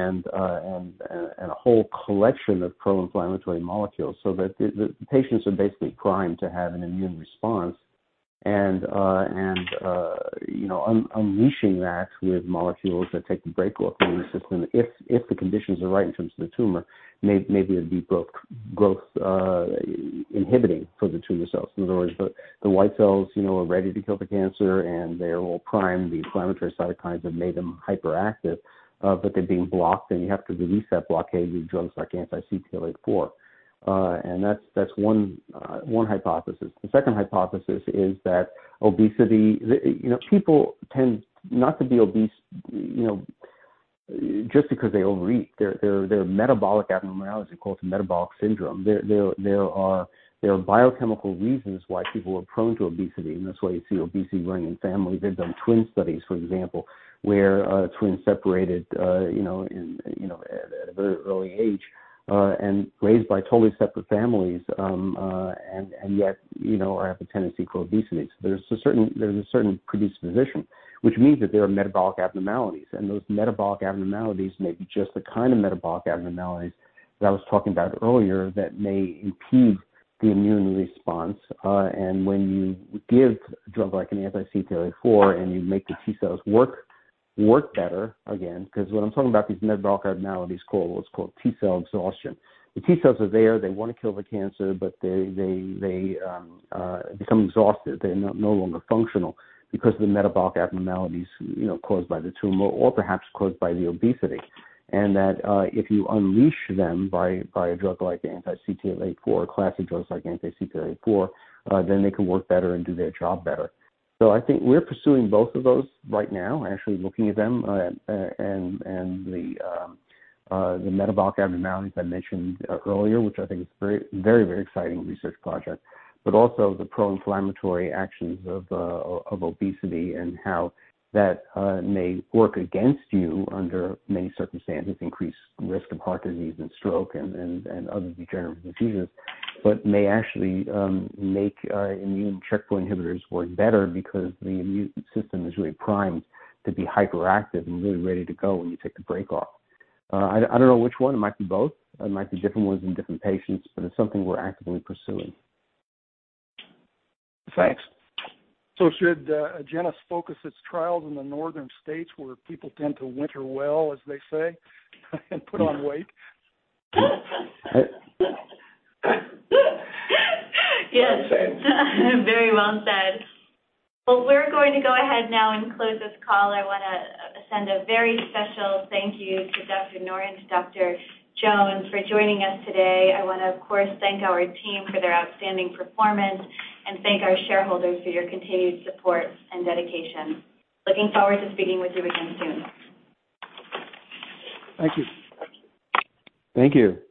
and a whole collection of pro-inflammatory molecules so that the patients are basically primed to have an immune response. Unleashing that with molecules that take the brake off the immune system if the conditions are right in terms of the tumor, may be a deep growth inhibiting for the tumor cells. In other words, the white cells are ready to kill the cancer, and they're all primed. The inflammatory cytokines have made them hyperactive. They're being blocked, and you have to release that blockade with drugs like anti-CTLA-4. That's one hypothesis. The second hypothesis is that obesity—people tend not to be obese just because they overeat. Their metabolic abnormality is caused by metabolic syndrome. There are biochemical reasons why people are prone to obesity, and that's why you see obesity running in families. They've done twin studies, for example, where twins separated at a very early age, and raised by totally separate families, and yet have a tendency for obesity. There's a certain predisposition, which means that there are metabolic abnormalities. Those metabolic abnormalities may be just the kind of metabolic abnormalities that I was talking about earlier that may impede the immune response. When you give a drug like an anti-CTLA-4 and you make the T-cells work better again, because what I'm talking about these metabolic abnormalities called what's called T-cell exhaustion. The T-cells are there. They want to kill the cancer, but they become exhausted. They're no longer functional because of the metabolic abnormalities caused by the tumor, or perhaps caused by the obesity, and that if you unleash them by a drug like the anti-CTLA-4 or a class of drugs like anti-CTLA-4, then they can work better and do their job better. I think we're pursuing both of those right now, actually looking at them and the metabolic abnormalities I mentioned earlier, which I think is a very exciting research project. Also the pro-inflammatory actions of obesity and how that may work against you under many circumstances, increased risk of heart disease and stroke and other degenerative diseases. May actually make immune checkpoint inhibitors work better because the immune system is really primed to be hyperactive and really ready to go when you take the brake off. I don't know which one. It might be both. It might be different ones in different patients, but it's something we're actively pursuing. Thanks. Should Agenus focus its trials in the northern states where people tend to winter well, as they say, and put on weight? Yes. Well said. Very well said. Well, we're going to go ahead now and close this call. I want to extend a very special thank you to Dr. Norton, to Dr. Jones for joining us today. I want to, of course, thank our team for their outstanding performance and thank our shareholders for your continued support and dedication. Looking forward to speaking with you again soon. Thank you. Thank you. Pleasure.